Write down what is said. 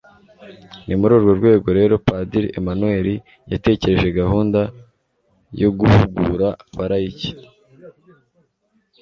ni muri urwo rwego rero padiri emmanuel yatekereje gahunda yo guhugura abalayiki